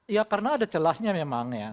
ya karena ada celahnya memang ya